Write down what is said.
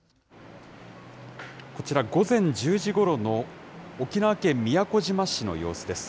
こちら、午前１０時ごろの沖縄県宮古島市の様子です。